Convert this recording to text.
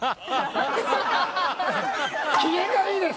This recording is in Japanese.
機嫌がいいです。